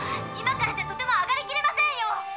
今からじゃとても上がりきれませんよ！